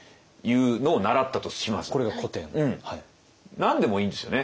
何でもいいんですよね。